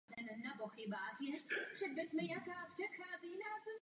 Některé z nich používala francouzská armáda.